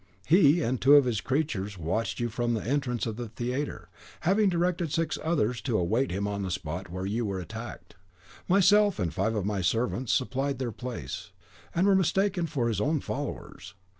He and two of his creatures watched you from the entrance of the theatre, having directed six others to await him on the spot where you were attacked; myself and five of my servants supplied their place, and were mistaken for his own followers.